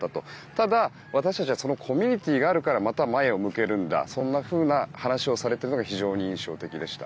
ただ私たちはコミュニティーがあるから前を向けるんだそんなふうな話をされているのが印象的でした。